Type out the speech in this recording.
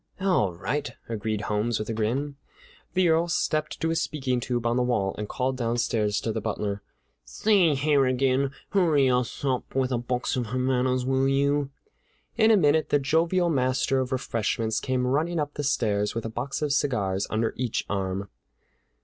"All right," agreed Holmes with a grin. The Earl stepped to a speaking tube on the wall and called downstairs to the butler: "Say, Harrigan, hurry us up a box of Havanas, will you?" In a minute the jovial master of refreshments came running up the stairs with a box of cigars under each arm.